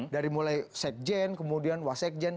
dari mulai sekjen kemudian wasekjen